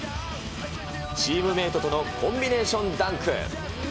チームメートとのコンビネーションダンク。